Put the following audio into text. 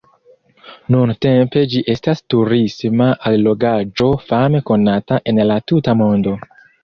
Nuntempe ĝi estas turisma allogaĵo fame konata en la tuta mondo.